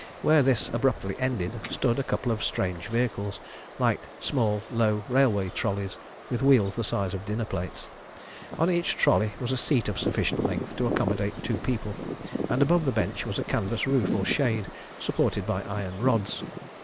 Where this abruptly ended stood a couple of strange vehicles, like small, low railway trolleys, with wheels the size of dinner plates. On each trolley was a seat of sufficient length to accommodate two people, and above the bench was a canvas roof or shade, supported by iron rods.